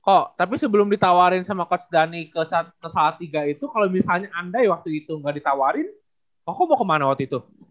kok tapi sebelum ditawarin sama coach dhani ke saat tiga itu kalau misalnya andai waktu itu nggak ditawarin kok mau kemana waktu itu